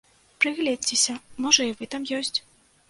Прыгледзьцеся, можа і вы там ёсць?